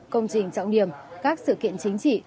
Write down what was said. công trình trọng điểm các sự kiện chính trị